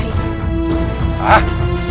hah banyak bicara kamu